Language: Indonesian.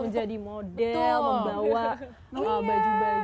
menjadi model membawa baju baju